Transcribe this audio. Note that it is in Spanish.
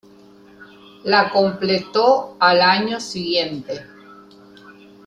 La completó al año siguiente.